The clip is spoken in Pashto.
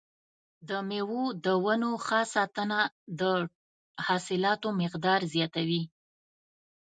د مېوو د ونو ښه ساتنه د حاصلاتو مقدار زیاتوي.